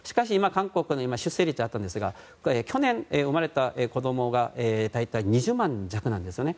今、韓国の出生率があったんですが去年生まれた子どもが大体２０万弱なんです。